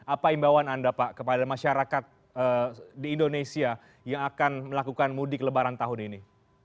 apa imbauan anda pak kepada masyarakat di indonesia yang akan melakukan mudik lebaran tahun ini